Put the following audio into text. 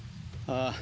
ああ。